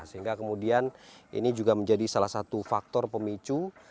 sehingga kemudian ini juga menjadi salah satu faktor pemicu